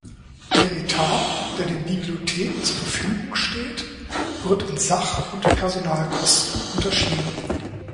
Der Etat, der den Bibliotheken zur Verfügung steht, wird in Sach- und Personalkosten unterschieden.